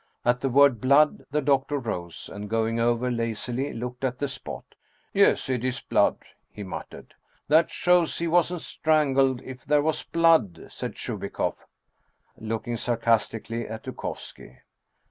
At the word " blood " the doctor rose, and going over lazily, looked at the spot. " Yes, it is blood !" he muttered. " That shows he wasn't strangled, if there was blood," said Chubikoff, looking sarcastically at Dukovski.